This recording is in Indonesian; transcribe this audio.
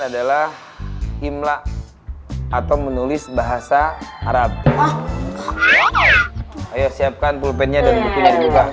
adalah imla atau menulis bahasa arab ayo siapkan pulpennya